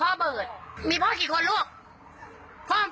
พ่อเบิร์ดเครื่องหายป้ากี่คนนะครับ